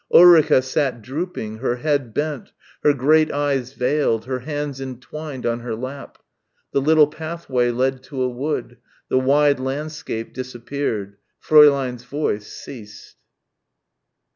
Ulrica sat drooping, her head bent, her great eyes veiled, her hands entwined on her lap.... The little pathway led to a wood. The wide landscape disappeared. Fräulein's voice ceased.